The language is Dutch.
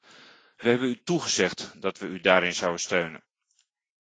Wij hebben u toegezegd dat we u daarin zouden steunen.